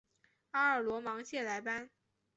阿尔罗芒谢莱班。